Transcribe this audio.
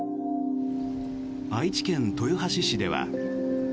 愛知県豊橋市では。